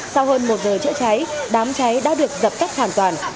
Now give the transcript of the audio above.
sau hơn một giờ chữa cháy đám cháy đã được dập tắt hoàn toàn